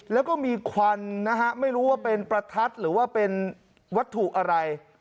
แล้วก็มีควันนะฮะไม่รู้ว่าเป็นประทัดหรือว่าเป็นวัตถุอะไร